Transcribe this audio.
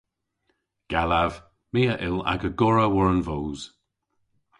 Gallav. My a yll aga gorra war an voos.